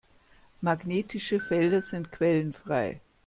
Magnetische Felder sind quellenfrei.